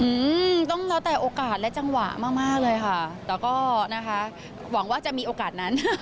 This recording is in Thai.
อืมต้องแล้วแต่โอกาสและจังหวะมากมากเลยค่ะแต่ก็นะคะหวังว่าจะมีโอกาสนั้น